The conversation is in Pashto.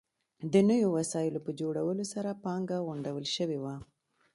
د نویو وسایلو په جوړولو سره پانګه غونډول شوې وه.